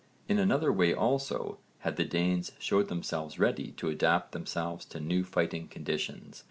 In another way also had the Danes showed themselves ready to adapt themselves to new fighting conditions.